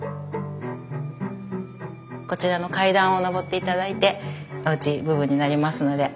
こちらの階段を上って頂いておうち部分になりますので。